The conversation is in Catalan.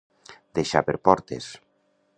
Deixar per portes.